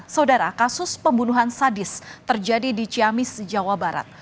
saudara kasus pembunuhan sadis terjadi di ciamis jawa barat